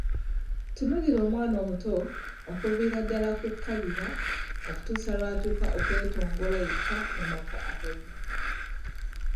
Tunuulira omwana omuto, okuviira ddala ku kalira, okutuusa lw'atuuka okwetongola yekka mu maka agage.